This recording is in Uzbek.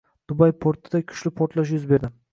Dubay portida kuchli portlash yuz berdi